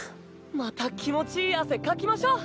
また気持ちいい汗かきましょう！